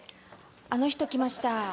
あの人来ました。